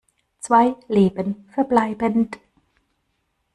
Zwei Leben verbleibend.